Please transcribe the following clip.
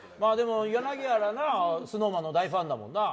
柳原、ＳｎｏｗＭａｎの大ファンだもんな。